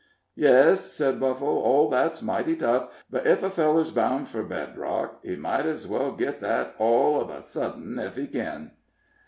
"Yes," said Buffle, "all that's mighty tough, but ef a feller's bound fur bed rock, he might ez well git that all uv a sudden, ef he ken."